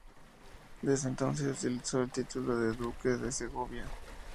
Desde entonces utilizó el título de duque de Segovia.